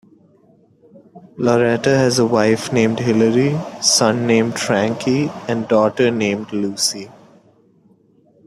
Loretta has a wife named Hilary, son named Frankie, and daughter named Lucy.